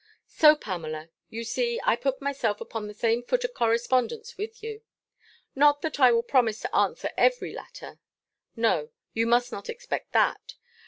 So, Pamela, you see I put myself upon the same foot of correspondence with you. Not that I will promise to answer every latter: no, you must not expect that.